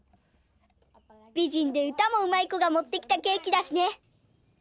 びじんで歌もうまい子がもってきたケーキだしね。